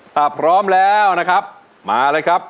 ถ้าพร้อมแล้วนะครับมาเลยครับ